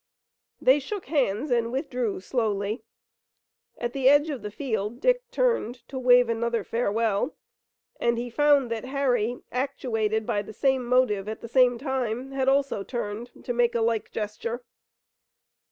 They shook hands and withdrew slowly. At the edge of the field, Dick turned to wave another farewell, and he found that Harry, actuated by the same motive at the same time, had also turned to make a like gesture.